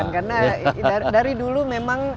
karena dari dulu memang